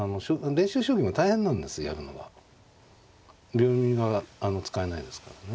秒読みが使えないですからね。